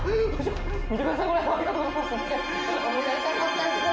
見てくださいこれ。